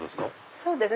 そうですね